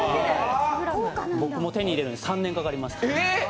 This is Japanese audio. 僕も手に入れるのに３年かかりました。